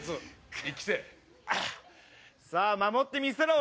さあ守ってみせろ